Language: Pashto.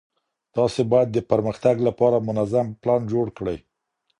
تاسي بايد د پرمختګ لپاره منظم پلان جوړ کړئ.